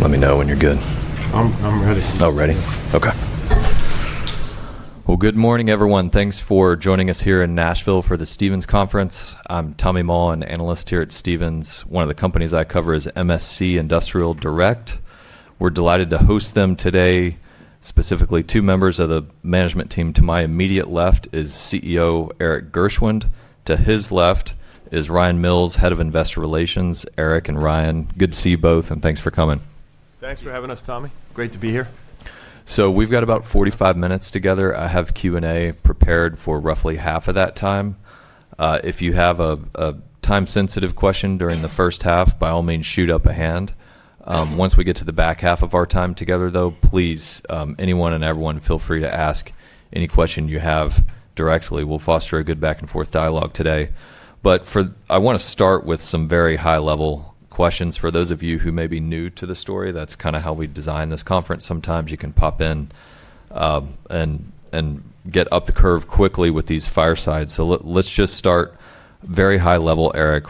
Let me know when you're good. I'm ready. Oh, ready? Okay. Good morning, everyone. Thanks for joining us here in Nashville for the Stephens Conference. I'm Tommy Moll, an analyst here at Stephens. One of the companies I cover is MSC Industrial Direct. We're delighted to host them today, specifically two members of the management team. To my immediate left is CEO Erik Gershwind. To his left is Ryan Mills, Head of Investor Relations. Erik and Ryan, good to see you both, and thanks for coming. Thanks for having us, Tommy. Great to be here. We've got about 45 minutes together. I have Q&A prepared for roughly half of that time. If you have a time-sensitive question during the first half, by all means, shoot up a hand. Once we get to the back half of our time together, though, please, anyone and everyone, feel free to ask any question you have directly. We'll foster a good back-and-forth dialogue today. I want to start with some very high-level questions. For those of you who may be new to the story, that's kind of how we design this conference sometimes. You can pop in and get up the curve quickly with these firesides. Let's just start very high-level, Erik,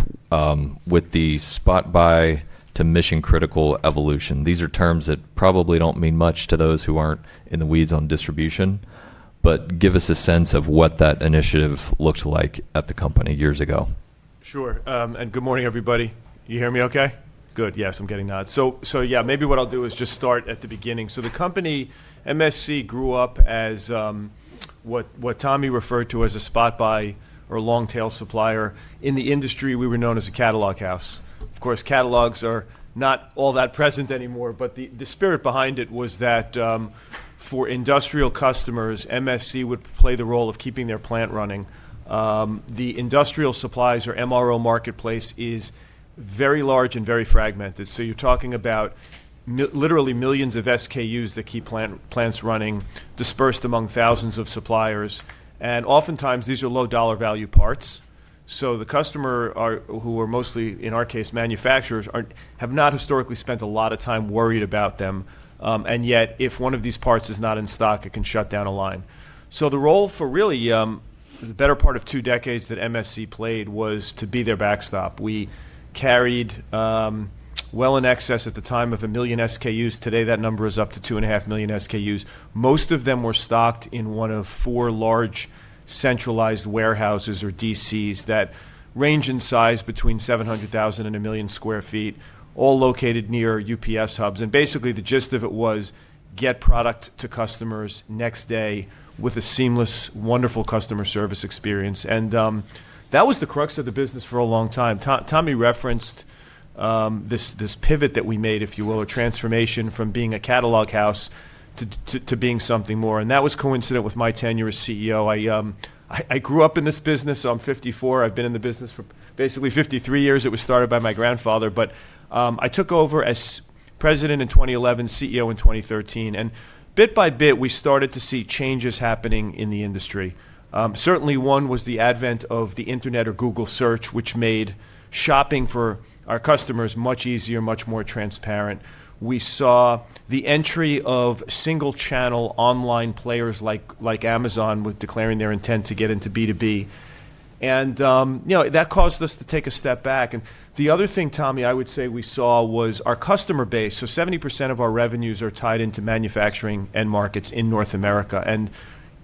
with the spot-buy to mission-critical evolution. These are terms that probably don't mean much to those who aren't in the weeds on distribution, but give us a sense of what that initiative looked like at the company years ago. Sure. And good morning, everybody. You hear me okay? Good. Yes, I'm getting that. So yeah, maybe what I'll do is just start at the beginning. The company, MSC, grew up as what Tommy referred to as a spot-buy or long-tail supplier. In the industry, we were known as a catalog house. Of course, catalogs are not all that present anymore, but the spirit behind it was that for industrial customers, MSC would play the role of keeping their plant running. The industrial supplies, or MRO, marketplace is very large and very fragmented. You're talking about literally millions of SKUs that keep plants running, dispersed among thousands of suppliers. Oftentimes, these are low-dollar value parts. The customer, who are mostly, in our case, manufacturers, have not historically spent a lot of time worried about them. Yet, if one of these parts is not in stock, it can shut down a line. The role for really the better part of two decades that MSC played was to be their backstop. We carried well in excess at the time of a million SKUs. Today, that number is up to two and a half million SKUs. Most of them were stocked in one of four large centralized warehouses, or DCs, that range in size between 700,000 and 1 million sq ft, all located near UPS hubs. Basically, the gist of it was get product to customers next day with a seamless, wonderful customer service experience. That was the crux of the business for a long time. Tommy referenced this pivot that we made, if you will, a transformation from being a catalog house to being something more. That was coincident with my tenure as CEO. I grew up in this business. I'm 54. I've been in the business for basically 53 years. It was started by my grandfather. I took over as president in 2011, CEO in 2013. Bit by bit, we started to see changes happening in the industry. Certainly, one was the advent of the internet or Google search, which made shopping for our customers much easier, much more transparent. We saw the entry of single-channel online players like Amazon declaring their intent to get into B2B. That caused us to take a step back. The other thing, Tommy, I would say we saw was our customer base. 70% of our revenues are tied into manufacturing and markets in North AmErika.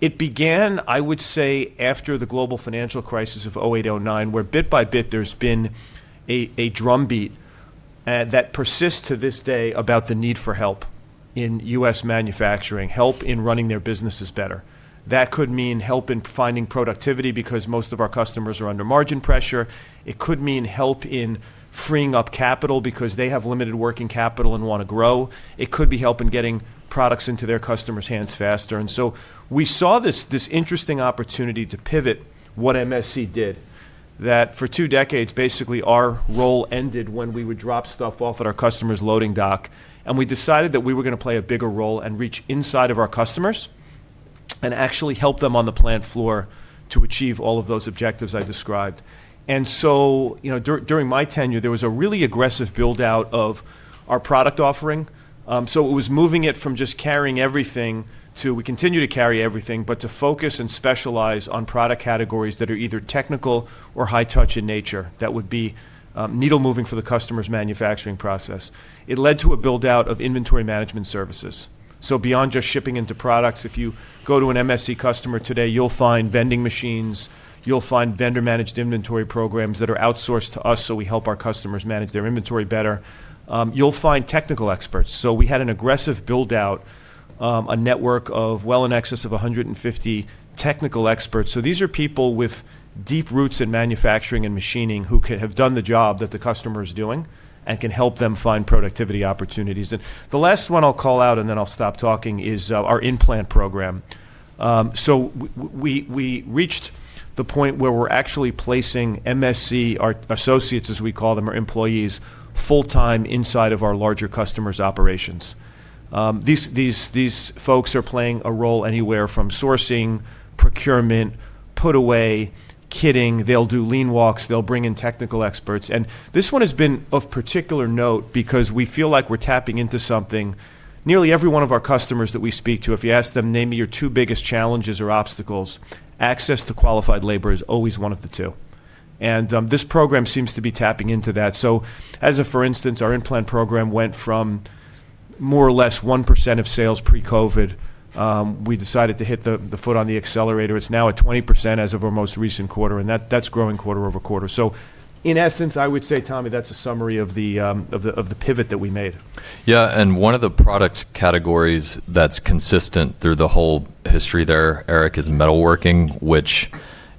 It began, I would say, after the global financial crisis of 2008, 2009, where bit by bit, there has been a drumbeat that persists to this day about the need for help in U.S. manufacturing, help in running their businesses better. That could mean help in finding productivity because most of our customers are under margin pressure. It could mean help in freeing up capital because they have limited working capital and want to grow. It could be help in getting products into their customers' hands faster. We saw this interesting opportunity to pivot what MSC did, that for two decades, basically, our role ended when we would drop stuff off at our customer's loading dock. We decided that we were going to play a bigger role and reach inside of our customers and actually help them on the plant floor to achieve all of those objectives I described. During my tenure, there was a really aggressive build-out of our product offering. It was moving it from just carrying everything to we continue to carry everything, but to focus and specialize on product categories that are either technical or high-touch in nature that would be needle-moving for the customer's manufacturing process. It led to a build-out of inventory management services. Beyond just shipping in products, if you go to an MSC customer today, you'll find vending machines. You'll find vendor-managed inventory programs that are outsourced to us, so we help our customers manage their inventory better. You'll find technical experts. We had an aggressive build-out, a network of well in excess of 150 technical experts. These are people with deep roots in manufacturing and machining who could have done the job that the customer is doing and can help them find productivity opportunities. The last one I'll call out, and then I'll stop talking, is our implant program. We reached the point where we're actually placing MSC associates, as we call them, or employees, full-time inside of our larger customer's operations. These folks are playing a role anywhere from sourcing, procurement, put-away, kitting. They'll do lean walks. They'll bring in technical experts. This one has been of particular note because we feel like we're tapping into something. Nearly every one of our customers that we speak to, if you ask them, "Name your two biggest challenges or obstacles," access to qualified labor is always one of the two. This program seems to be tapping into that. For instance, our implant program went from more or less 1% of sales pre-COVID, we decided to hit the foot on the accelerator. It is now at 20% as of our most recent quarter. That is growing quarter over quarter. In essence, I would say, Tommy, that is a summary of the pivot that we made. Yeah. One of the product categories that's consistent through the whole history there, Erik, is metalworking, which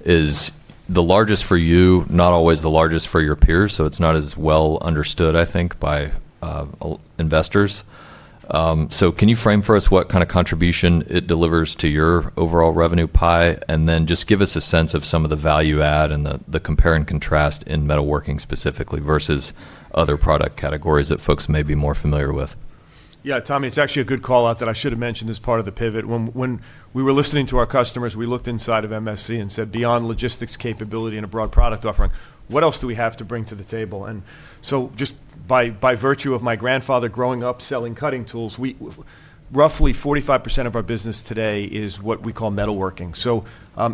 is the largest for you, not always the largest for your peers. It's not as well understood, I think, by investors. Can you frame for us what kind of contribution it delivers to your overall revenue pie? Then just give us a sense of some of the value-add and the compare and contrast in metalworking specifically versus other product categories that folks may be more familiar with. Yeah, Tommy, it's actually a good call out that I should have mentioned as part of the pivot. When we were listening to our customers, we looked inside of MSC and said, "Beyond logistics capability and a broad product offering, what else do we have to bring to the table?" Just by virtue of my grandfather growing up selling cutting tools, roughly 45% of our business today is what we call metalworking.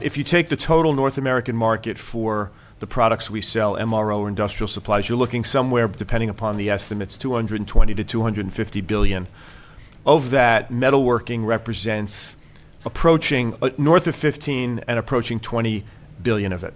If you take the total North American market for the products we sell, MRO, or industrial supplies, you're looking somewhere, depending upon the estimates, $220 billion-$250 billion. Of that, metalworking represents north of $15 billion and approaching $20 billion of it.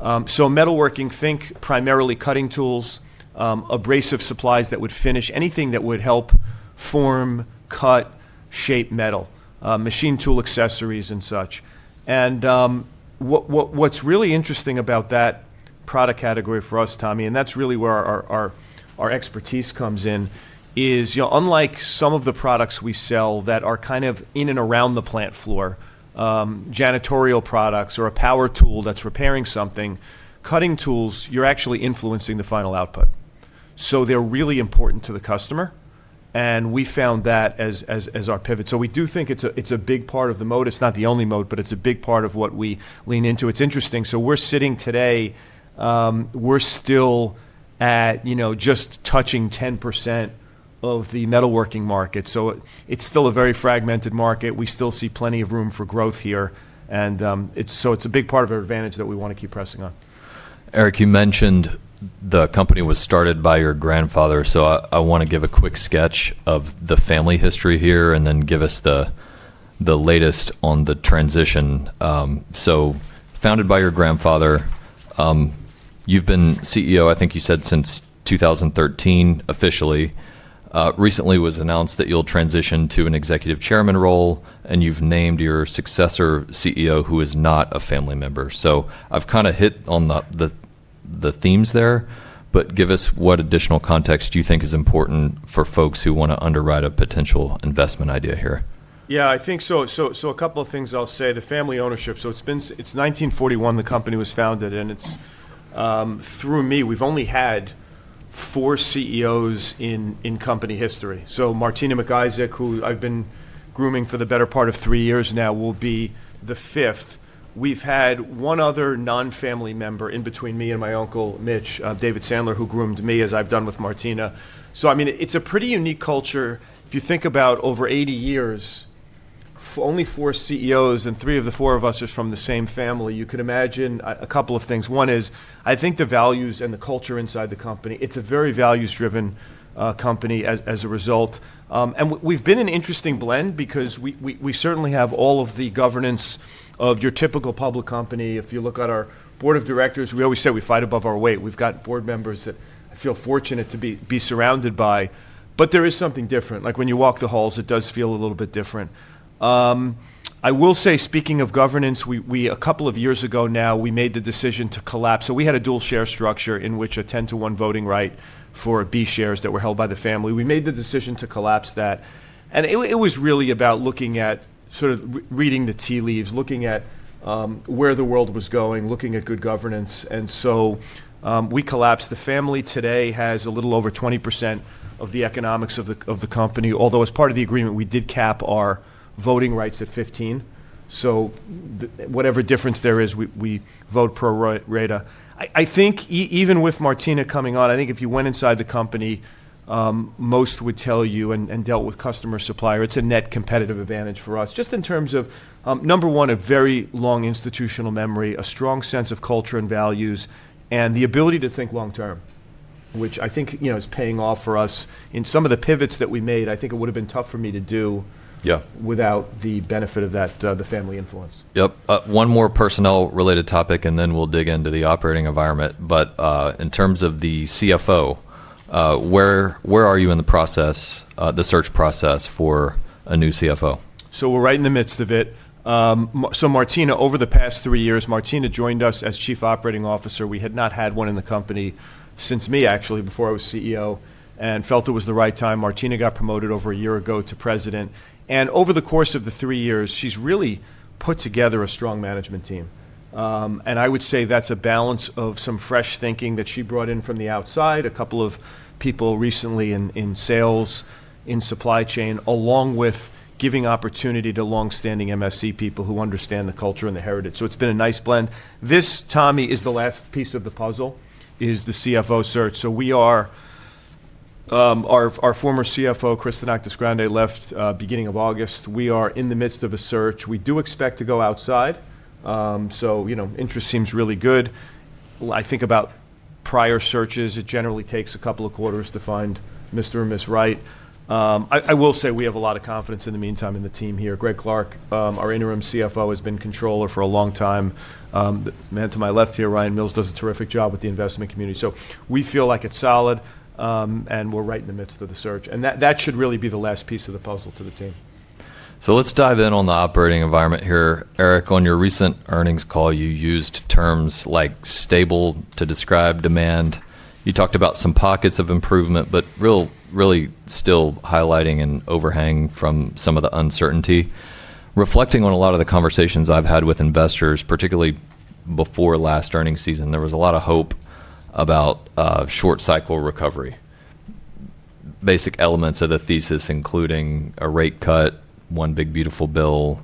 Metalworking, think primarily cutting tools, abrasive supplies that would finish, anything that would help form, cut, shape metal, machine tool accessories, and such. What's really interesting about that product category for us, Tommy, and that's really where our expertise comes in, is unlike some of the products we sell that are kind of in and around the plant floor, janitorial products or a power tool that's repairing something, cutting tools, you're actually influencing the final output. They are really important to the customer. We found that as our pivot. We do think it's a big part of the moat. It's not the only moat, but it's a big part of what we lean into. It's interesting. We are sitting today, we're still at just touching 10% of the metalworking market. It's still a very fragmented market. We still see plenty of room for growth here. It's a big part of our advantage that we want to keep pressing on. Erik, you mentioned the company was started by your grandfather. I want to give a quick sketch of the family history here and then give us the latest on the transition. Founded by your grandfather, you have been CEO, I think you said, since 2013, officially. Recently, it was announced that you will transition to an executive chairman role. You have named your successor CEO, who is not a family member. I have kind of hit on the themes there. Give us what additional context you think is important for folks who want to underwrite a potential investment idea here. Yeah, I think so. So a couple of things I'll say. The family ownership. So it's 1941 the company was founded. And through me, we've only had four CEOs in company history. Martina McIsaac, who I've been grooming for the better part of three years now, will be the fifth. We've had one other non-family member in between me and my uncle, Mitch, David Sandler, who groomed me, as I've done with Martina. I mean, it's a pretty unique culture. If you think about over 80 years, only four CEOs, and three of the four of us are from the same family, you could imagine a couple of things. One is, I think the values and the culture inside the company. It's a very values-driven company as a result. We've been an interesting blend because we certainly have all of the governance of your typical public company. If you look at our board of directors, we always say we fight above our weight. We've got board members that I feel fortunate to be surrounded by. There is something different. Like when you walk the halls, it does feel a little bit different. I will say, speaking of governance, a couple of years ago now, we made the decision to collapse. We had a dual-share structure in which a 10-to-1 voting right for B shares that were held by the family. We made the decision to collapse that. It was really about looking at sort of reading the tea leaves, looking at where the world was going, looking at good governance. We collapsed. The family today has a little over 20% of the economics of the company. Although as part of the agreement, we did cap our voting rights at 15%. Whatever difference there is, we vote pro rata. I think even with Martina coming on, I think if you went inside the company, most would tell you and dealt with customer supplier, it is a net competitive advantage for us. Just in terms of, number one, a very long institutional memory, a strong sense of culture and values, and the ability to think long-term, which I think is paying off for us. In some of the pivots that we made, I think it would have been tough for me to do without the benefit of the family influence. Yep. One more personnel-related topic, and then we'll dig into the operating environment. In terms of the CFO, where are you in the process, the search process for a new CFO? We're right in the midst of it. Martina, over the past three years, Martina joined us as Chief Operating Officer. We had not had one in the company since me, actually, before I was CEO, and felt it was the right time. Martina got promoted over a year ago to President. Over the course of the three years, she's really put together a strong management team. I would say that's a balance of some fresh thinking that she brought in from the outside, a couple of people recently in sales, in supply chain, along with giving opportunity to long-standing MSC people who understand the culture and the heritage. It's been a nice blend. This, Tommy, is the last piece of the puzzle, the CFO search. Our former CFO, Kristen Actis-Grande, left beginning of August. We are in the midst of a search. We do expect to go outside. Interest seems really good. I think about prior searches, it generally takes a couple of quarters to find Mr. and Ms. Right. I will say we have a lot of confidence in the meantime in the team here. Greg Clark, our Interim CFO, has been Controller for a long time. The man to my left here, Ryan Mills, does a terrific job with the investment community. We feel like it is solid. We are right in the midst of the search. That should really be the last piece of the puzzle to the team. Let's dive in on the operating environment here. Erik, on your recent earnings call, you used terms like stable to describe demand. You talked about some pockets of improvement, but really still highlighting an overhang from some of the uncertainty. Reflecting on a lot of the conversations I've had with investors, particularly before last earnings season, there was a lot of hope about short-cycle recovery. Basic elements of the thesis, including a rate cut, one big beautiful bill,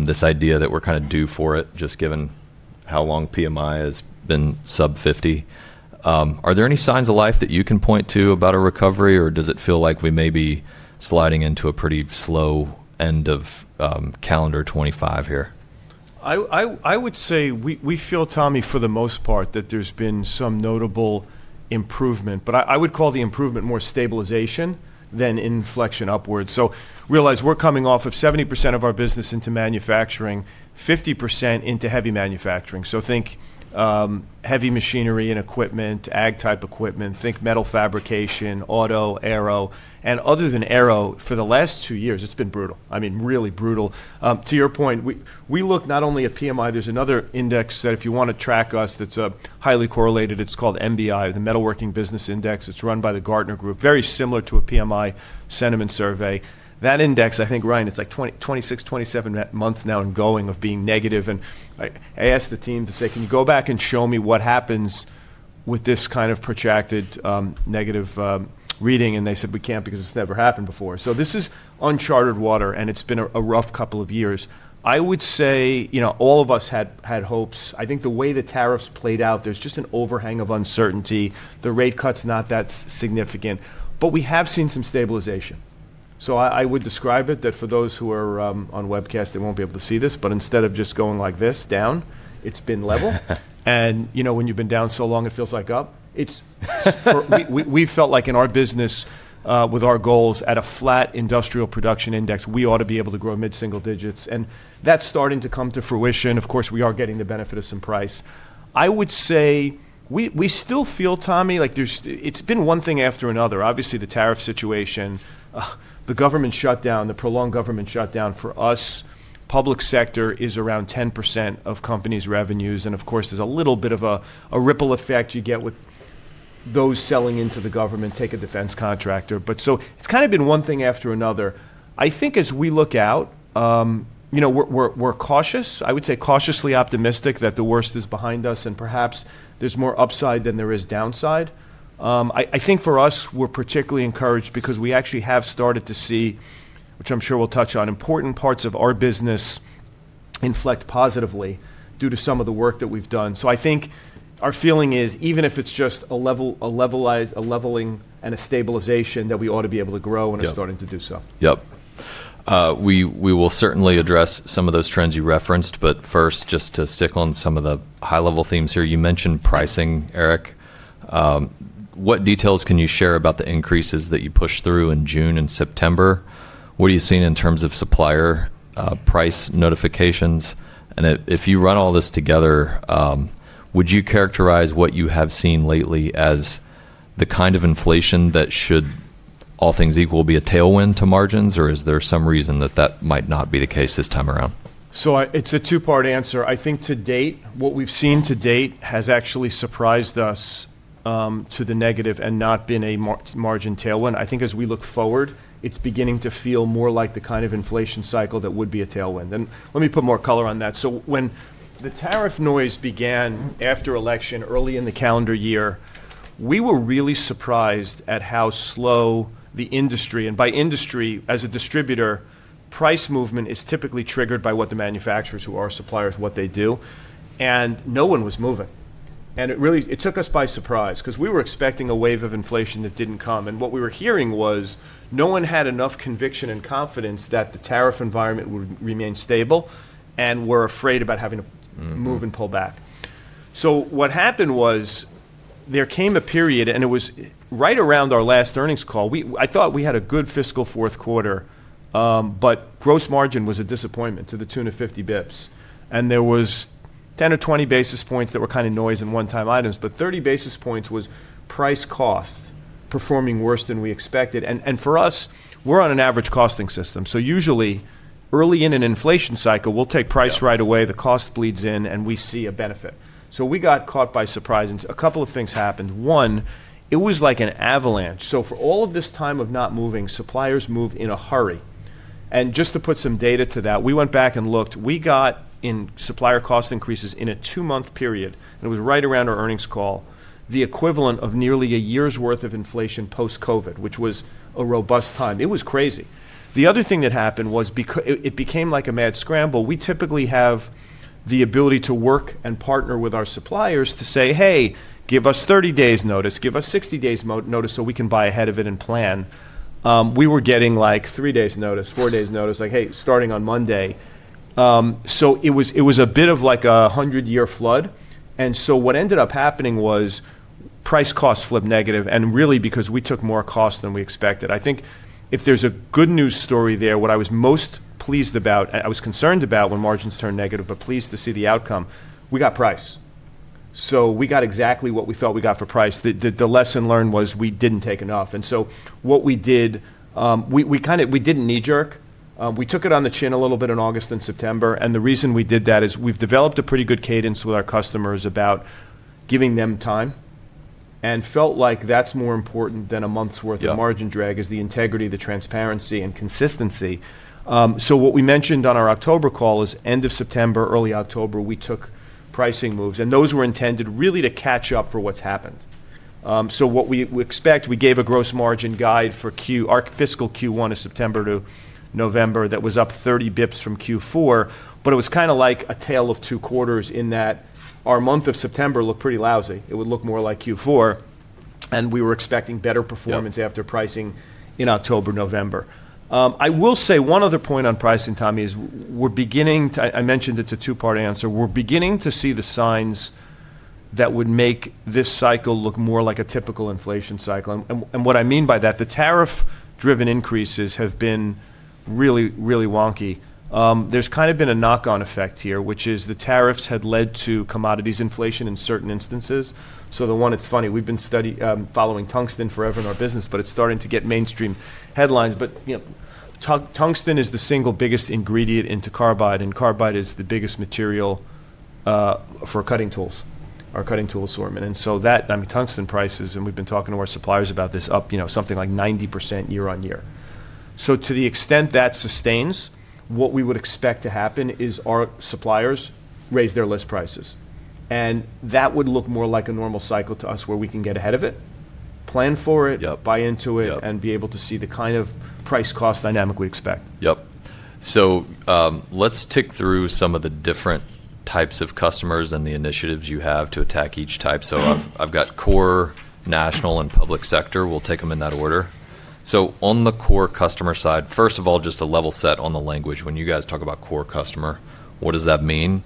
this idea that we're kind of due for it, just given how long PMI has been sub-50. Are there any signs of life that you can point to about a recovery? Or does it feel like we may be sliding into a pretty slow end of calendar 2025 here? I would say we feel, Tommy, for the most part, that there's been some notable improvement. I would call the improvement more stabilization than inflection upwards. Realize we're coming off of 70% of our business into manufacturing, 50% into heavy manufacturing. Think heavy machinery and equipment, ag-type equipment. Think metal fabrication, auto, aero. Other than aero, for the last two years, it's been brutal. I mean, really brutal. To your point, we look not only at PMI. There's another index that if you want to track us that's highly correlated. It's called MBI, the Metalworking Business Index. It's run by the Gartner Group. Very similar to a PMI sentiment survey. That index, I think, Ryan, it's like 26, 27 months now and going of being negative. I asked the team to say, "Can you go back and show me what happens with this kind of protracted negative reading?" They said, "We can't because it's never happened before." This is uncharted water. It has been a rough couple of years. I would say all of us had hopes. I think the way the tariffs played out, there is just an overhang of uncertainty. The rate cut is not that significant. We have seen some stabilization. I would describe it that for those who are on webcast, they will not be able to see this. Instead of just going like this down, it has been level. When you have been down so long, it feels like up. We felt like in our business, with our goals at a flat industrial production index, we ought to be able to grow mid-single digits. That is starting to come to fruition. Of course, we are getting the benefit of some price. I would say we still feel, Tommy, it has been one thing after another. Obviously, the tariff situation, the government shutdown, the prolonged government shutdown for us. Public sector is around 10% of companies' revenues. There is a little bit of a ripple effect you get with those selling into the government, take a defense contractor. It has kind of been one thing after another. I think as we look out, we are cautious. I would say cautiously optimistic that the worst is behind us. Perhaps there is more upside than there is downside. I think for us, we are particularly encouraged because we actually have started to see, which I am sure we will touch on, important parts of our business inflect positively due to some of the work that we have done. I think our feeling is even if it's just a leveling and a stabilization, that we ought to be able to grow and are starting to do so. Yep. We will certainly address some of those trends you referenced. First, just to stick on some of the high-level themes here, you mentioned pricing, Erik. What details can you share about the increases that you pushed through in June and September? What are you seeing in terms of supplier price notifications? If you run all this together, would you characterize what you have seen lately as the kind of inflation that should, all things equal, be a tailwind to margins? Is there some reason that that might not be the case this time around? It's a two-part answer. I think to date, what we've seen to date has actually surprised us to the negative and not been a margin tailwind. I think as we look forward, it's beginning to feel more like the kind of inflation cycle that would be a tailwind. Let me put more color on that. When the tariff noise began after election, early in the calendar year, we were really surprised at how slow the industry, and by industry, as a distributor, price movement is typically triggered by what the manufacturers who are suppliers, what they do. No one was moving. It took us by surprise because we were expecting a wave of inflation that didn't come. What we were hearing was no one had enough conviction and confidence that the tariff environment would remain stable and were afraid about having to move and pull back. What happened was there came a period, and it was right around our last earnings call. I thought we had a good fiscal fourth quarter. Gross margin was a disappointment to the tune of 50 basis points. There was 10 or 20 basis points that were kind of noise in one-time items. Thirty basis points was price cost performing worse than we expected. For us, we're on an average costing system. Usually, early in an inflation cycle, we'll take price right away. The cost bleeds in, and we see a benefit. We got caught by surprise. A couple of things happened. One, it was like an avalanche. For all of this time of not moving, suppliers moved in a hurry. Just to put some data to that, we went back and looked. We got in supplier cost increases in a two-month period, and it was right around our earnings call, the equivalent of nearly a year's worth of inflation post-COVID, which was a robust time. It was crazy. The other thing that happened was it became like a mad scramble. We typically have the ability to work and partner with our suppliers to say, "Hey, give us 30 days notice. Give us 60 days notice so we can buy ahead of it and plan." We were getting like three days notice, four days notice, like, "Hey, starting on Monday." It was a bit of like a 100-year flood. What ended up happening was price cost flipped negative. Really because we took more cost than we expected. I think if there is a good news story there, what I was most pleased about, I was concerned about when margins turned negative, but pleased to see the outcome, we got price. We got exactly what we felt we got for price. The lesson learned was we did not take enough. What we did, we did not knee-jerk. We took it on the chin a little bit in August and September. The reason we did that is we have developed a pretty good cadence with our customers about giving them time and felt like that is more important than a month's worth of margin drag, the integrity, the transparency, and consistency. What we mentioned on our October call is end of September, early October, we took pricing moves. Those were intended really to catch up for what has happened. What we expect, we gave a gross margin guide for our fiscal Q1 of September to November that was up 30 basis points from Q4. It was kind of like a tale of two quarters in that our month of September looked pretty lousy. It would look more like Q4. We were expecting better performance after pricing in October, November. I will say one other point on pricing, Tommy, we are beginning to, I mentioned it is a two-part answer, we are beginning to see the signs that would make this cycle look more like a typical inflation cycle. What I mean by that, the tariff-driven increases have been really, really wonky. There has kind of been a knock-on effect here, which is the tariffs had led to commodities inflation in certain instances. The one, it's funny, we've been following tungsten forever in our business, but it's starting to get mainstream headlines. Tungsten is the single biggest ingredient in carbide. Carbide is the biggest material for cutting tools, our cutting tool assortment. Tungsten prices, and we've been talking to our suppliers about this, up something like 90% year on year. To the extent that sustains, what we would expect to happen is our suppliers raise their list prices. That would look more like a normal cycle to us where we can get ahead of it, plan for it, buy into it, and be able to see the kind of price cost dynamic we expect. Yep. Let's tick through some of the different types of customers and the initiatives you have to attack each type. I've got core, national, and public sector. We'll take them in that order. On the core customer side, first of all, just a level set on the language. When you guys talk about core customer, what does that mean?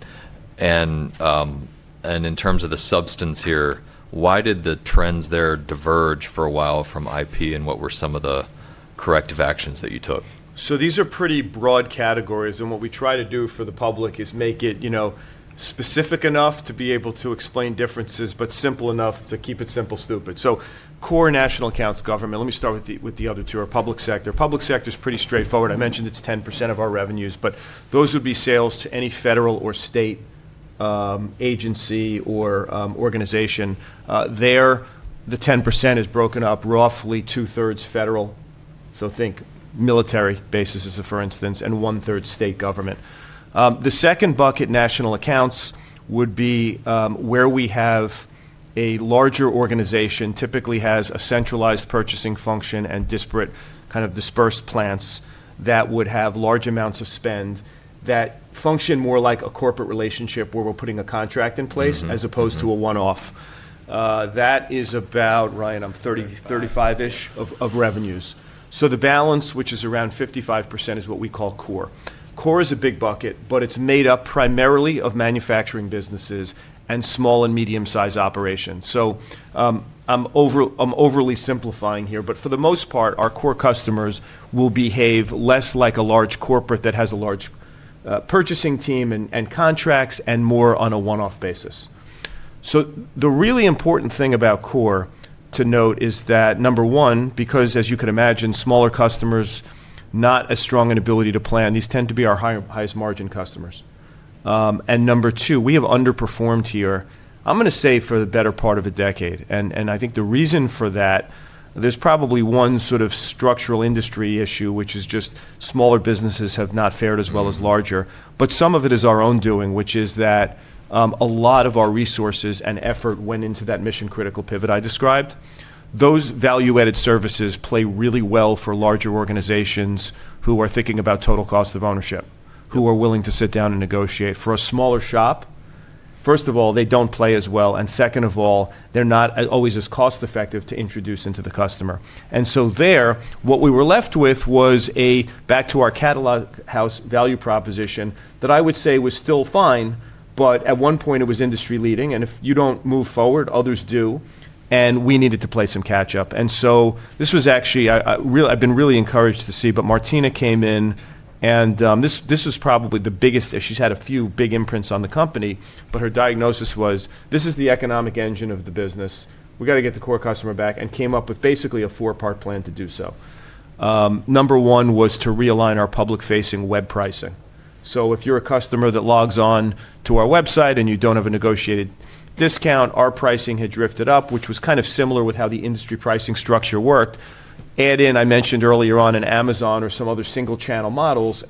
In terms of the substance here, why did the trends there diverge for a while from IP? What were some of the corrective actions that you took? These are pretty broad categories. What we try to do for the public is make it specific enough to be able to explain differences, but simple enough to keep it simple, stupid. Core, national, accounts, government. Let me start with the other two, our public sector. Public sector is pretty straightforward. I mentioned it's 10% of our revenues. Those would be sales to any federal or state agency or organization. There, the 10% is broken up roughly two-thirds federal, so think military bases, for instance, and one-third state government. The second bucket, national accounts, would be where we have a larger organization, typically has a centralized purchasing function and disparate kind of dispersed plants that would have large amounts of spend that function more like a corporate relationship where we're putting a contract in place as opposed to a one-off. That is about, Ryan, I'm 35% of revenues. The balance, which is around 55%, is what we call core. Core is a big bucket, but it's made up primarily of manufacturing businesses and small and medium-sized operations. I'm overly simplifying here. For the most part, our core customers will behave less like a large corporate that has a large purchasing team and contracts and more on a one-off basis. The really important thing about core to note is that, number one, because as you can imagine, smaller customers, not as strong an ability to plan, these tend to be our highest margin customers. Number two, we have underperformed here, I'm going to say, for the better part of a decade. I think the reason for that, there's probably one sort of structural industry issue, which is just smaller businesses have not fared as well as larger. Some of it is our own doing, which is that a lot of our resources and effort went into that mission-critical pivot I described. Those value-added services play really well for larger organizations who are thinking about total cost of ownership, who are willing to sit down and negotiate. For a smaller shop, first of all, they do not play as well. Second of all, they are not always as cost-effective to introduce into the customer. There, what we were left with was a back-to-our catalog house value proposition that I would say was still fine. At one point, it was industry-leading. If you do not move forward, others do. We needed to play some catch-up. This was actually, I've been really encouraged to see. Martina came in. This was probably the biggest issue. She's had a few big imprints on the company. Her diagnosis was, this is the economic engine of the business. We've got to get the core customer back and came up with basically a four-part plan to do so. Number one was to realign our public-facing web pricing. If you're a customer that logs on to our website and you don't have a negotiated discount, our pricing had drifted up, which was kind of similar with how the industry pricing structure worked. Add in, I mentioned earlier on, an Amazon or some other single-channel models.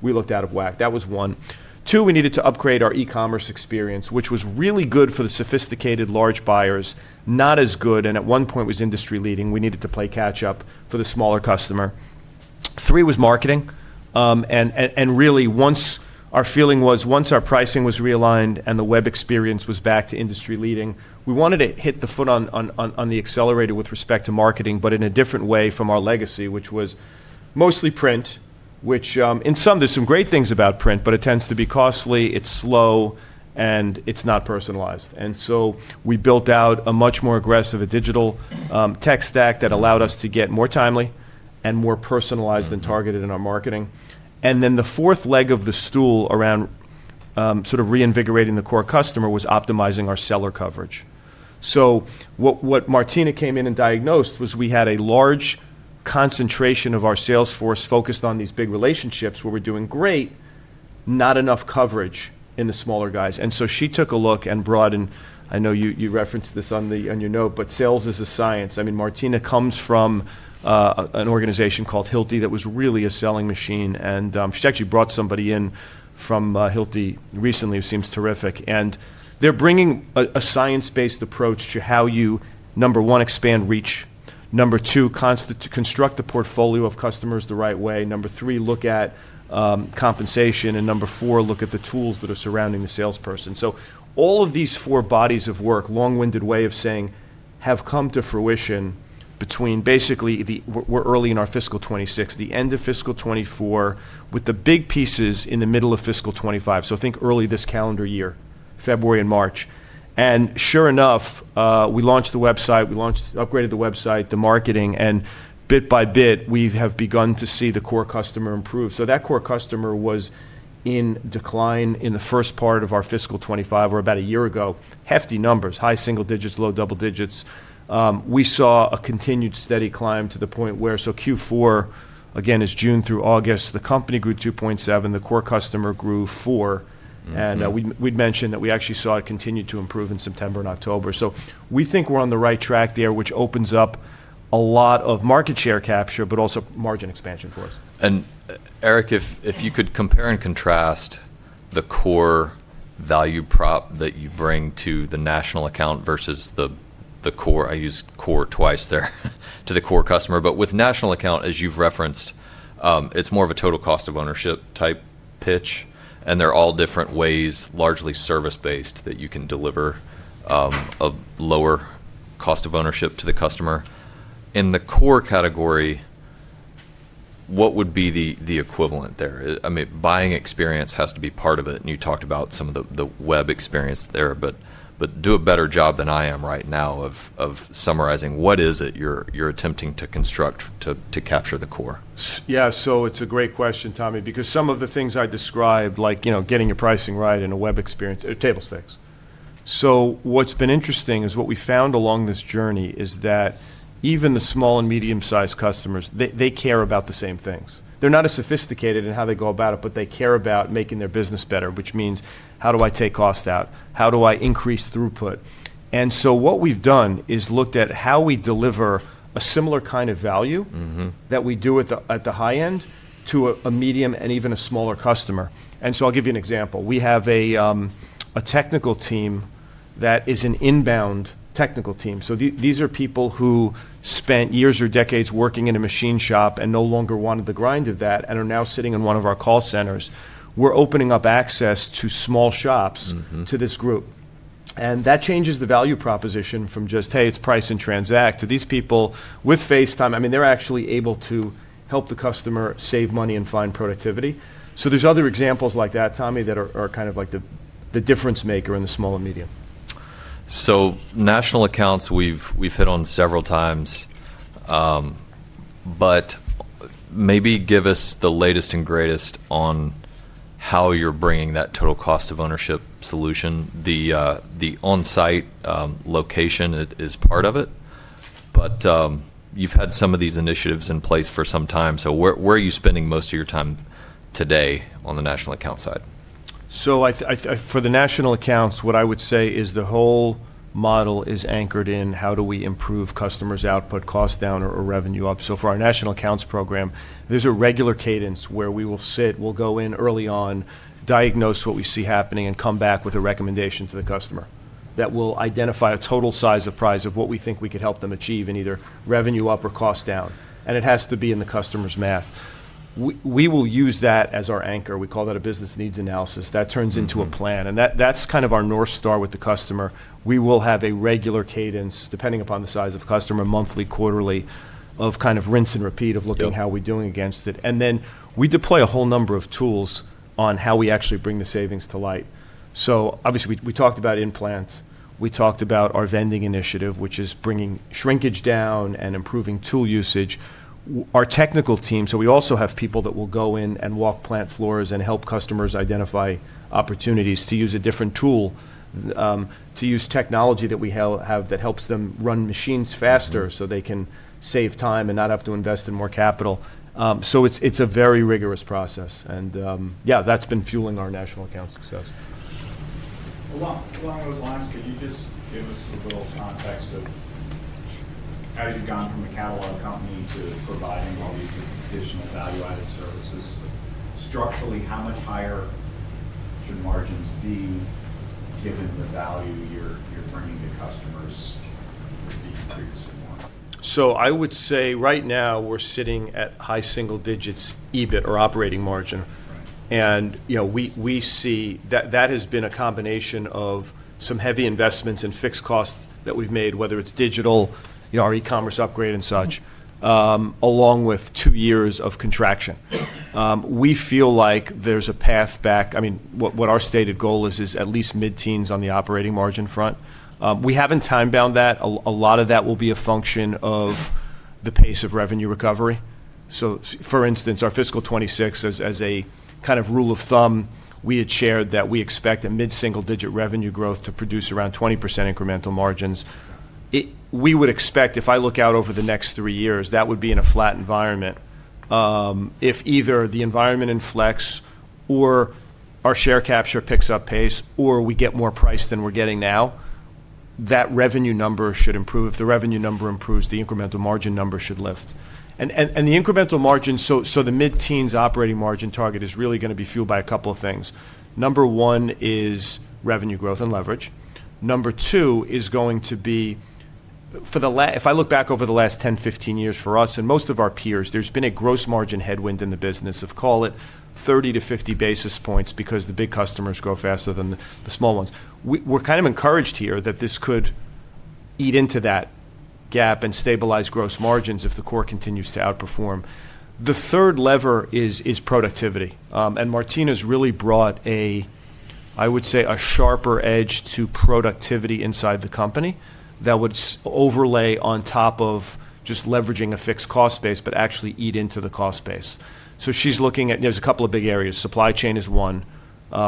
We looked out of whack. That was one. Two, we needed to upgrade our e-commerce experience, which was really good for the sophisticated large buyers, not as good, and at one point was industry-leading. We needed to play catch-up for the smaller customer. Three was marketing. Really, our feeling was once our pricing was realigned and the web experience was back to industry-leading, we wanted to hit the foot on the accelerator with respect to marketing, but in a different way from our legacy, which was mostly print, which in some, there are some great things about print, but it tends to be costly, it is slow, and it is not personalized. We built out a much more aggressive digital tech stack that allowed us to get more timely and more personalized and targeted in our marketing. The fourth leg of the stool around sort of reinvigorating the core customer was optimizing our seller coverage. What Martina came in and diagnosed was we had a large concentration of our sales force focused on these big relationships where we're doing great, not enough coverage in the smaller guys. She took a look and broadened. I know you referenced this on your note, but sales is a science. I mean, Martina comes from an organization called Hilti that was really a selling machine. She actually brought somebody in from Hilti recently, who seems terrific. They're bringing a science-based approach to how you, number one, expand reach. Number two, construct the portfolio of customers the right way. Number three, look at compensation. Number four, look at the tools that are surrounding the salesperson. All of these four bodies of work, long-winded way of saying, have come to fruition between basically, we're early in our fiscal 2026, the end of fiscal 2024, with the big pieces in the middle of fiscal 2025. Think early this calendar year, February and March. Sure enough, we launched the website, we upgraded the website, the marketing. Bit by bit, we have begun to see the core customer improve. That core customer was in decline in the first part of our fiscal 2025 or about a year ago. Hefty numbers, high single digits, low double digits. We saw a continued steady climb to the point where Q4, again, is June through August. The company grew 2.7. The core customer grew 4. We'd mentioned that we actually saw it continue to improve in September and October. We think we're on the right track there, which opens up a lot of market share capture, but also margin expansion for us. Erik, if you could compare and contrast the core value prop that you bring to the national account versus the core, I used core twice there, to the core customer. With national account, as you've referenced, it's more of a total cost of ownership type pitch. There are all different ways, largely service-based, that you can deliver a lower cost of ownership to the customer. In the core category, what would be the equivalent there? I mean, buying experience has to be part of it. You talked about some of the web experience there. Do a better job than I am right now of summarizing what is it you're attempting to construct to capture the core. Yeah. It's a great question, Tommy, because some of the things I described, like getting your pricing right and a web experience, are table stakes. What's been interesting is what we found along this journey is that even the small and medium-sized customers, they care about the same things. They're not as sophisticated in how they go about it, but they care about making their business better, which means, how do I take cost out? How do I increase throughput? What we've done is looked at how we deliver a similar kind of value that we do at the high end to a medium and even a smaller customer. I'll give you an example. We have a technical team that is an inbound technical team. These are people who spent years or decades working in a machine shop and no longer wanted the grind of that and are now sitting in one of our call centers. We are opening up access to small shops to this group. That changes the value proposition from just, hey, it is price and transact to these people with FaceTime. I mean, they are actually able to help the customer save money and find productivity. There are other examples like that, Tommy, that are kind of like the difference maker in the small and medium. National accounts, we've hit on several times. Maybe give us the latest and greatest on how you're bringing that total cost of ownership solution. The on-site location is part of it. You've had some of these initiatives in place for some time. Where are you spending most of your time today on the national account side? For the national accounts, what I would say is the whole model is anchored in how do we improve customers' output, cost down, or revenue up. For our national accounts program, there is a regular cadence where we will sit. We will go in early on, diagnose what we see happening, and come back with a recommendation to the customer that will identify a total size of price of what we think we could help them achieve in either revenue up or cost down. It has to be in the customer's math. We will use that as our anchor. We call that a business needs analysis. That turns into a plan. That is kind of our North Star with the customer. We will have a regular cadence, depending upon the size of customer, monthly, quarterly, of kind of rinse and repeat of looking at how we are doing against it. We deploy a whole number of tools on how we actually bring the savings to light. Obviously, we talked about implants. We talked about our vending initiative, which is bringing shrinkage down and improving tool usage. Our technical team, we also have people that will go in and walk plant floors and help customers identify opportunities to use a different tool, to use technology that we have that helps them run machines faster so they can save time and not have to invest in more capital. It is a very rigorous process. Yeah, that has been fueling our national account success. Along those lines, could you just give us a little context of how you've gone from a catalog company to providing all these additional value-added services? Structurally, how much higher should margins be given the value you're bringing to customers that you previously wanted? I would say right now, we're sitting at high single digits EBIT or operating margin. We see that has been a combination of some heavy investments and fixed costs that we've made, whether it's digital, our e-commerce upgrade and such, along with two years of contraction. We feel like there's a path back. I mean, what our stated goal is at least mid-teens on the operating margin front. We haven't time-bound that. A lot of that will be a function of the pace of revenue recovery. For instance, our fiscal 2026, as a kind of rule of thumb, we had shared that we expect a mid-single-digit revenue growth to produce around 20% incremental margins. We would expect, if I look out over the next three years, that would be in a flat environment. If either the environment inflects or our share capture picks up pace or we get more price than we're getting now, that revenue number should improve. If the revenue number improves, the incremental margin number should lift. The incremental margin, so the mid-teens operating margin target is really going to be fueled by a couple of things. Number one is revenue growth and leverage. Number two is going to be, if I look back over the last 10, 15 years for us and most of our peers, there's been a gross margin headwind in the business of, call it, 30 to 50 basis points because the big customers grow faster than the small ones. We're kind of encouraged here that this could eat into that gap and stabilize gross margins if the core continues to outperform. The third lever is productivity. Martina's really brought, I would say, a sharper edge to productivity inside the company that would overlay on top of just leveraging a fixed cost base, but actually eat into the cost base. She's looking at, there's a couple of big areas. Supply chain is one. We've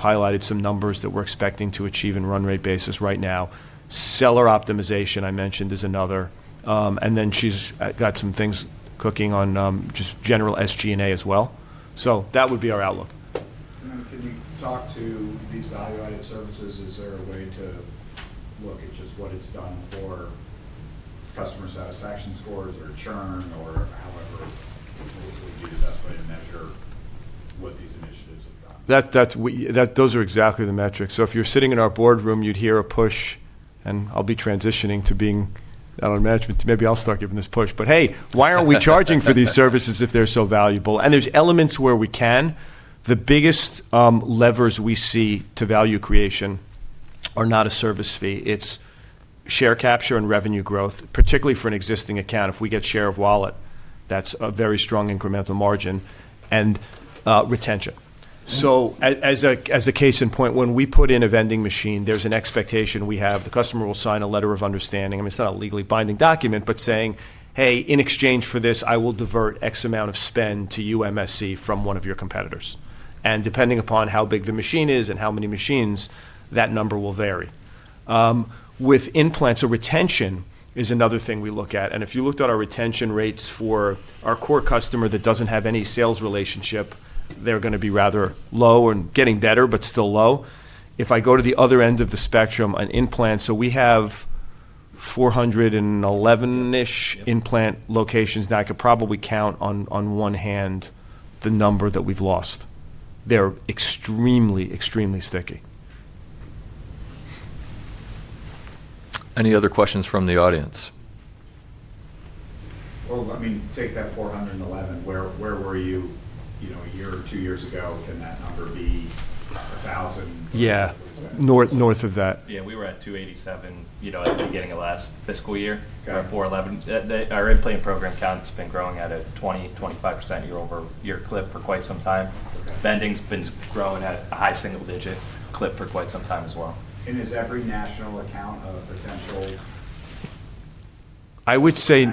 highlighted some numbers that we're expecting to achieve in run rate basis right now. Seller optimization, I mentioned, is another. She's got some things cooking on just general SG&A as well. That would be our outlook. Could you talk to these value-added services? Is there a way to look at just what it's done for customer satisfaction scores or churn or however we do the best way to measure what these initiatives have done? Those are exactly the metrics. If you're sitting in our boardroom, you'd hear a push. I'll be transitioning to being out on management. Maybe I'll start giving this push. Hey, why aren't we charging for these services if they're so valuable? There are elements where we can. The biggest levers we see to value creation are not a service fee. It's share capture and revenue growth, particularly for an existing account. If we get share of wallet, that's a very strong incremental margin and retention. As a case in point, when we put in a vending machine, there's an expectation we have the customer will sign a letter of understanding. I mean, it's not a legally binding document, but saying, hey, in exchange for this, I will divert X amount of spend to you, MSC, from one of your competitors. Depending upon how big the machine is and how many machines, that number will vary. With implants, retention is another thing we look at. If you looked at our retention rates for our core customer that does not have any sales relationship, they are going to be rather low or getting better, but still low. If I go to the other end of the spectrum, an implant, we have 411-ish implant locations. I could probably count on one hand the number that we have lost. They are extremely, extremely sticky. Any other questions from the audience? I mean, take that 411. Where were you a year or two years ago? Can that number be 1,000? Yeah. North of that. Yeah. We were at 287 at the beginning of last fiscal year for 411. Our implant program count has been growing at a 20%-25% year-over-year clip for quite some time. Vending's been growing at a high single-digit clip for quite some time as well. Is every national account a potential? I would say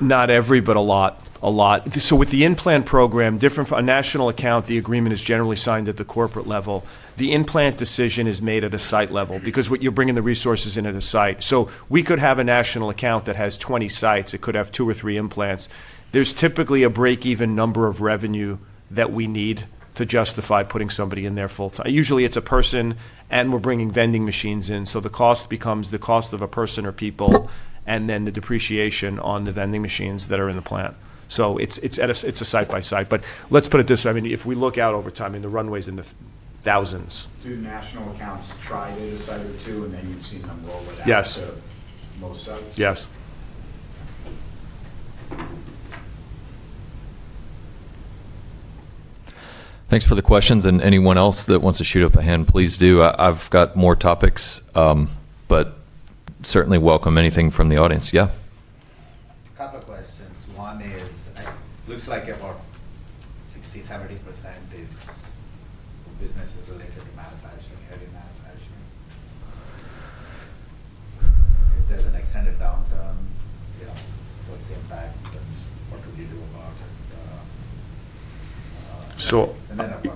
not every, but a lot. A lot. With the implant program, different from a national account, the agreement is generally signed at the corporate level. The implant decision is made at a site level because what you are bringing the resources in at a site. We could have a national account that has 20 sites. It could have two or three implants. There is typically a break-even number of revenue that we need to justify putting somebody in there full-time. Usually, it is a person, and we are bringing vending machines in. The cost becomes the cost of a person or people and then the depreciation on the vending machines that are in the plant. It is a side-by-side. Let me put it this way. I mean, if we look out over time, the runway is in the thousands. Do national accounts try a site or two, and then you've seen them roll it out to most sites? Yes. Yes. Thanks for the questions. Anyone else that wants to shoot up a hand, please do. I've got more topics, but certainly welcome anything from the audience. Yeah? A couple of questions. One is, it looks like about 60%-70% of business is related to manufacturing, heavy manufacturing. If there's an extended downturn, what's the impact? What could you do about it? And then a follow-up.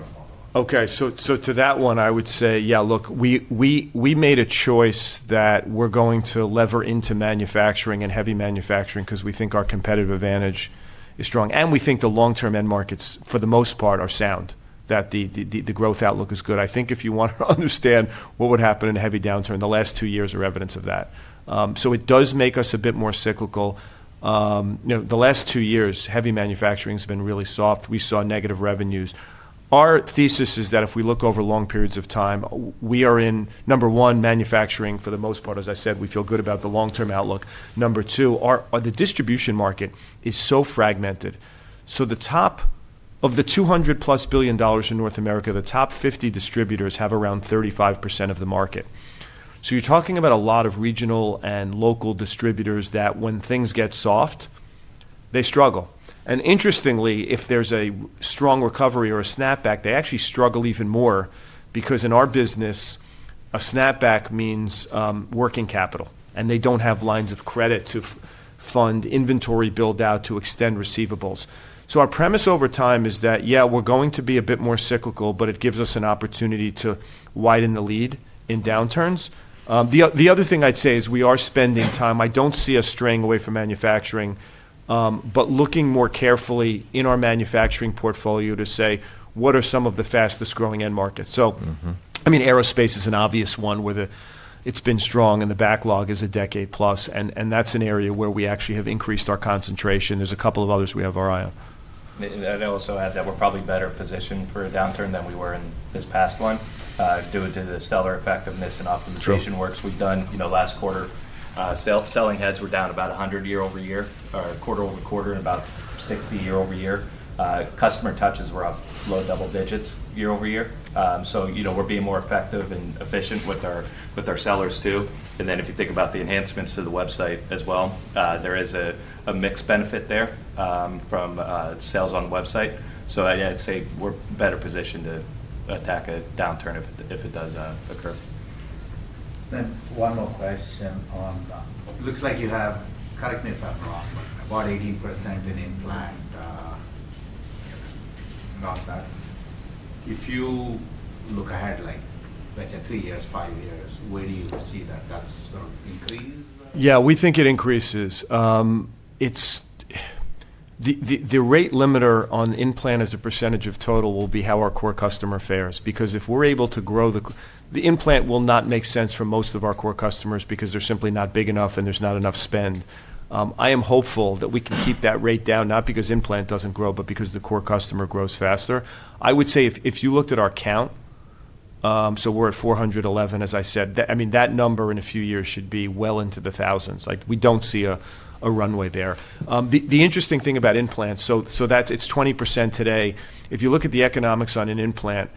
Okay. To that one, I would say, yeah, look, we made a choice that we're going to lever into manufacturing and heavy manufacturing because we think our competitive advantage is strong. We think the long-term end markets, for the most part, are sound, that the growth outlook is good. I think if you want to understand what would happen in a heavy downturn, the last two years are evidence of that. It does make us a bit more cyclical. The last two years, heavy manufacturing has been really soft. We saw negative revenues. Our thesis is that if we look over long periods of time, we are in, number one, manufacturing for the most part. As I said, we feel good about the long-term outlook. Number two, the distribution market is so fragmented. At the top of the $200+ billion in North America, the top 50 distributors have around 35% of the market. You are talking about a lot of regional and local distributors that, when things get soft, they struggle. Interestingly, if there is a strong recovery or a snapback, they actually struggle even more because in our business, a snapback means working capital. They do not have lines of credit to fund inventory build-out to extend receivables. Our premise over time is that, yeah, we are going to be a bit more cyclical, but it gives us an opportunity to widen the lead in downturns. The other thing I would say is we are spending time. I do not see us straying away from manufacturing, but looking more carefully in our manufacturing portfolio to say, what are some of the fastest-growing end markets? I mean, aerospace is an obvious one where it's been strong and the backlog is a decade plus. And that's an area where we actually have increased our concentration. There's a couple of others we have our eye on. I would also add that we are probably better positioned for a downturn than we were in this past one. Due to the seller effectiveness and optimization work we have done, last quarter, selling heads were down about 100 quarter-over-quarter and about 60 year-over-year. Customer touches were up low double digits year-over-year. We are being more effective and efficient with our sellers too. If you think about the enhancements to the website as well, there is a mixed benefit there from sales on the website. I would say we are better positioned to attack a downturn if it does occur. One more question on. Looks like you have, correct me if I'm wrong, about 18% in implant. Not that. If you look ahead, let's say three years, five years, where do you see that? That's going to increase? Yeah, we think it increases. The rate limiter on implant as a percentage of total will be how our core customer fares. Because if we're able to grow the implant, it will not make sense for most of our core customers because they're simply not big enough and there's not enough spend. I am hopeful that we can keep that rate down, not because implant doesn't grow, but because the core customer grows faster. I would say if you looked at our count, so we're at 411, as I said, I mean, that number in a few years should be well into the thousands. We don't see a runway there. The interesting thing about implants, so it's 20% today. If you look at the economics on an implant,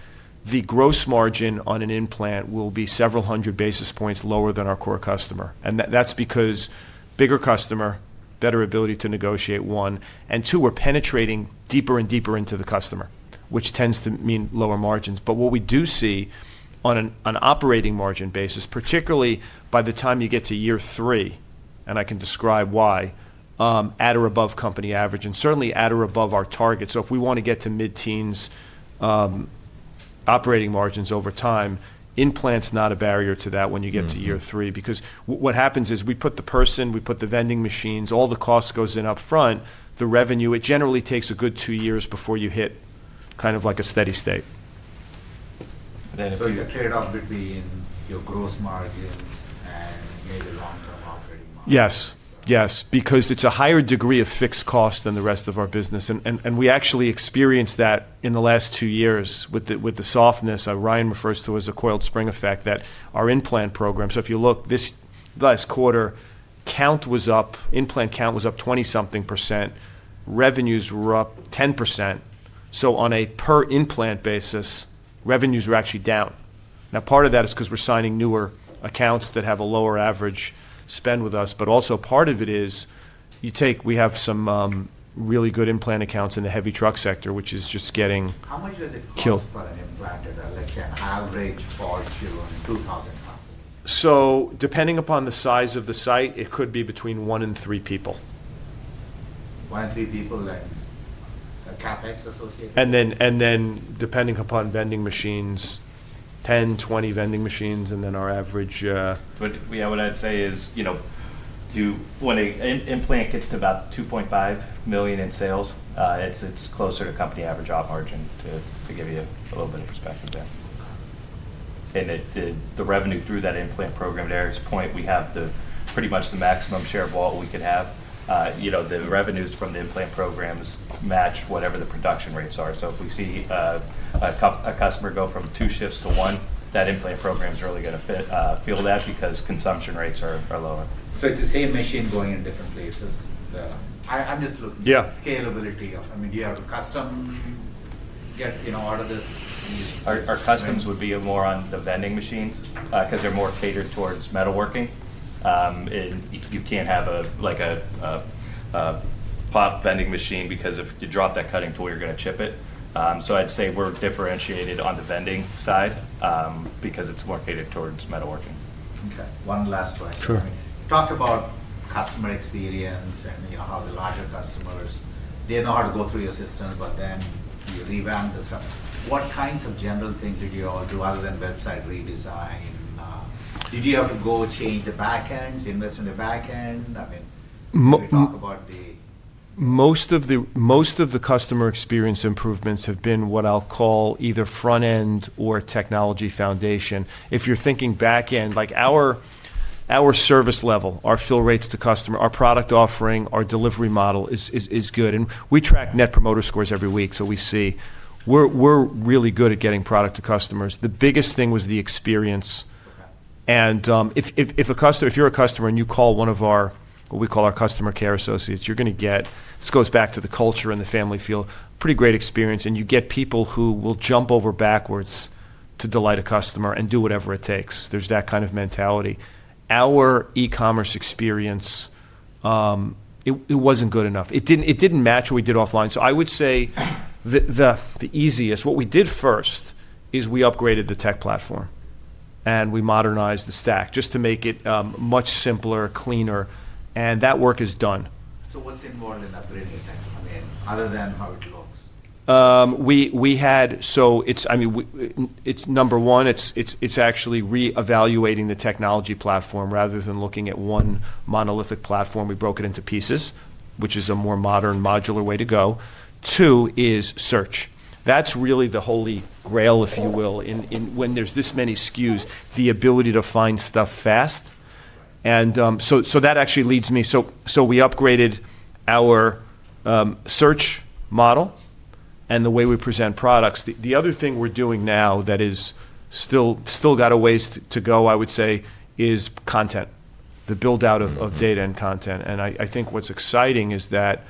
the gross margin on an implant will be several hundred basis points lower than our core customer. That is because bigger customer, better ability to negotiate, one. Two, we are penetrating deeper and deeper into the customer, which tends to mean lower margins. What we do see on an operating margin basis, particularly by the time you get to year three, and I can describe why, at or above company average, and certainly at or above our target. If we want to get to mid-teens operating margins over time, implant is not a barrier to that when you get to year three. What happens is we put the person, we put the vending machines, all the cost goes in upfront. The revenue, it generally takes a good two years before you hit kind of like a steady state. It's a trade-off between your gross margins and maybe long-term operating margin. Yes. Yes. Because it is a higher degree of fixed cost than the rest of our business. We actually experienced that in the last two years with the softness Ryan refers to as a coiled spring effect that our implant program, so if you look, this last quarter, implant count was up 20-something %. Revenues were up 10%. On a per-implant basis, revenues were actually down. Part of that is because we are signing newer accounts that have a lower average spend with us. Also part of it is we have some really good implant accounts in the heavy truck sector, which is just getting killed. How much does it cost for an implant at, let's say, an average Fortune 2,000 company? Depending upon the size of the site, it could be between one and three people. One in three people, like a CapEx associated? Depending upon vending machines, 10-20 vending machines, and then our average. What I'd say is when an implant gets to about $2.5 million in sales, it's closer to company average op margin to give you a little bit of perspective there. The revenue through that implant program, to Erik's point, we have pretty much the maximum share of all we could have. The revenues from the implant programs match whatever the production rates are. If we see a customer go from two shifts to one, that implant program's really going to feel that because consumption rates are lower. It's the same machine going in different places? I'm just looking at scalability. I mean, do you have a custom get out of this? Our customs would be more on the vending machines because they're more catered towards metalworking. You can't have a pop vending machine because if you drop that cutting tool, you're going to chip it. I'd say we're differentiated on the vending side because it's more catered towards metalworking. Okay. One last question. Talk about customer experience and how the larger customers, they know how to go through your system, but then you revamp the system. What kinds of general things did you all do other than website redesign? Did you have to go change the backends, invest in the backend? I mean, can you talk about the? Most of the customer experience improvements have been what I'll call either front-end or technology foundation. If you're thinking backend, our service level, our fill rates to customer, our product offering, our delivery model is good. We track net promoter scores every week, so we see we're really good at getting product to customers. The biggest thing was the experience. If you're a customer and you call one of our what we call our customer care associates, you're going to get, this goes back to the culture and the family feel, pretty great experience. You get people who will jump over backwards to delight a customer and do whatever it takes. There's that kind of mentality. Our e-commerce experience, it wasn't good enough. It didn't match what we did offline. I would say the easiest, what we did first is we upgraded the tech platform and we modernized the stack just to make it much simpler, cleaner. That work is done. What's involved in upgrading the tech? I mean, other than how it looks? I mean, number one, it's actually reevaluating the technology platform rather than looking at one monolithic platform. We broke it into pieces, which is a more modern modular way to go. Two is search. That's really the Holy Grail, if you will, when there's this many SKUs, the ability to find stuff fast. That actually leads me. We upgraded our search model and the way we present products. The other thing we're doing now that has still got a ways to go, I would say, is content, the build-out of data and content. I think what's exciting is that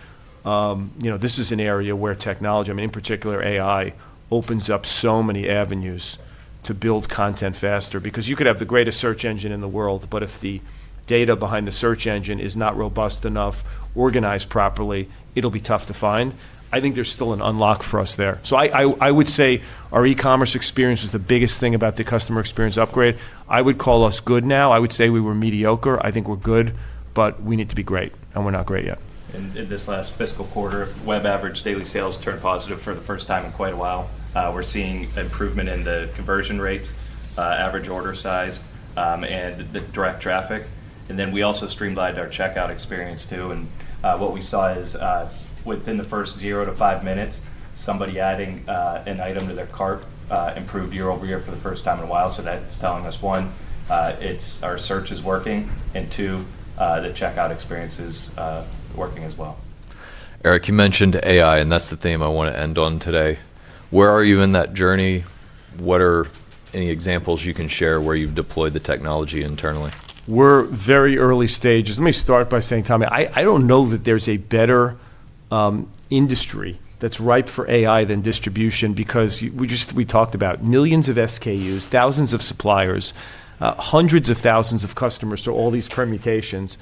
this is an area where technology, I mean, in particular, AI, opens up so many avenues to build content faster. Because you could have the greatest search engine in the world, but if the data behind the search engine is not robust enough, organized properly, it'll be tough to find. I think there's still an unlock for us there. I would say our e-commerce experience is the biggest thing about the customer experience upgrade. I would call us good now. I would say we were mediocre. I think we're good, but we need to be great. And we're not great yet. In this last fiscal quarter, web average daily sales turned positive for the first time in quite a while. We’re seeing improvement in the conversion rates, average order size, and the direct traffic. We also streamlined our checkout experience too. What we saw is within the first zero to five minutes, somebody adding an item to their cart improved year-over-year for the first time in a while. That’s telling us, one, our search is working, and two, the checkout experience is working as well. Erik, you mentioned AI, and that's the theme I want to end on today. Where are you in that journey? What are any examples you can share where you've deployed the technology internally? We're very early stages. Let me start by saying, Tom, I don't know that there's a better industry that's ripe for AI than distribution because we talked about millions of SKUs, thousands of suppliers, hundreds of thousands of customers, so all these permutations.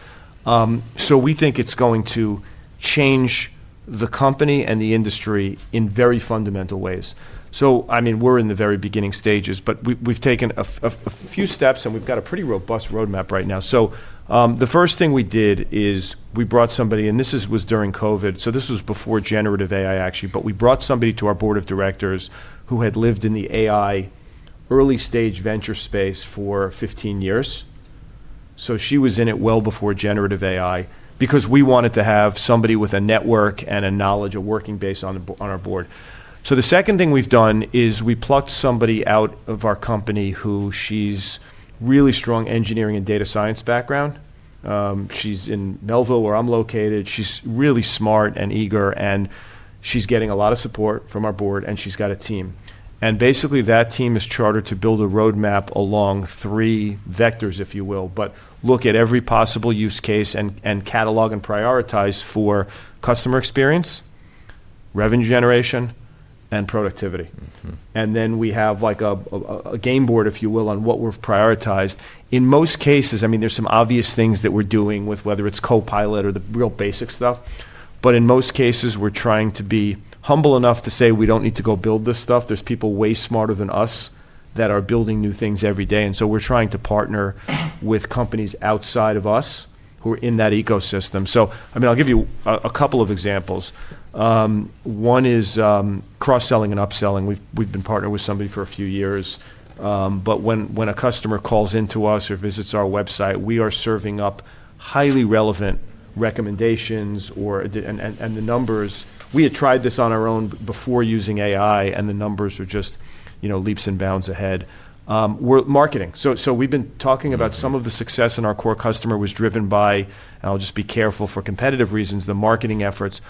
We think it's going to change the company and the industry in very fundamental ways. I mean, we're in the very beginning stages, but we've taken a few steps and we've got a pretty robust roadmap right now. The first thing we did is we brought somebody, and this was during COVID. This was before generative AI, actually. We brought somebody to our board of directors who had lived in the AI early-stage venture space for 15 years. She was in it well before generative AI because we wanted to have somebody with a network and a knowledge, a working base on our board. The second thing we've done is we plucked somebody out of our company who, she's really strong engineering and data science background. She's in Melville where I'm located. She's really smart and eager, and she's getting a lot of support from our board, and she's got a team. Basically, that team is chartered to build a roadmap along three vectors, if you will, but look at every possible use case and catalog and prioritize for customer experience, revenue generation, and productivity. We have a game board, if you will, on what we've prioritized. In most cases, I mean, there's some obvious things that we're doing with whether it's Copilot or the real basic stuff. In most cases, we're trying to be humble enough to say we don't need to go build this stuff. There's people way smarter than us that are building new things every day. We're trying to partner with companies outside of us who are in that ecosystem. I mean, I'll give you a couple of examples. One is cross-selling and upselling. We've been partnered with somebody for a few years. When a customer calls into us or visits our website, we are serving up highly relevant recommendations and the numbers. We had tried this on our own before using AI, and the numbers were just leaps and bounds ahead. We're marketing. We've been talking about some of the success in our core customer was driven by, and I'll just be careful for competitive reasons, the marketing efforts.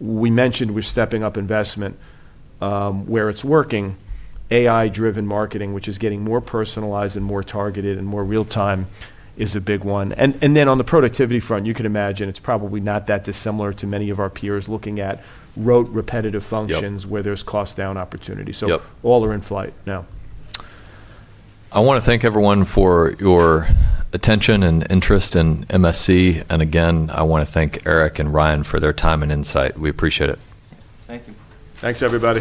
We mentioned we're stepping up investment where it's working. AI-driven marketing, which is getting more personalized and more targeted and more real-time, is a big one. On the productivity front, you can imagine it's probably not that dissimilar to many of our peers looking at rote repetitive functions where there's cost-down opportunity. All are in flight now. I want to thank everyone for your attention and interest in MSC. I want to thank Erik and Ryan for their time and insight. We appreciate it. Thanks, everybody.